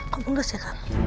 kamu ngeras ya kam